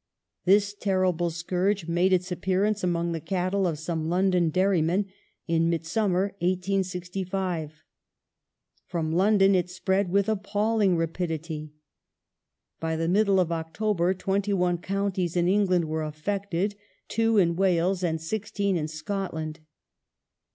^^^^ This terrible scourge made its appearance among the cattle of some London dairymen in Midsummer, 1865. From London it spretid with appalling rapidity : by the middle of October twenty one counties in England were affected, two in Wales, and sixteen in Scotland.